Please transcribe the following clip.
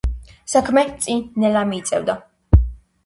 საქმე წინ ნელა მიიწევდა.